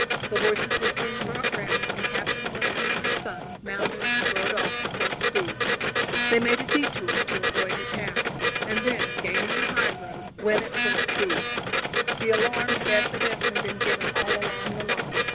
The horses were soon brought round, and Captain Wilson and his son mounted and rode off at full speed. They made a détour to avoid the town, and then, gaining the highroad, went forward at full speed. The alarm had evidently been given all along the line.